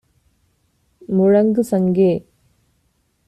முழங்கு சங்கே!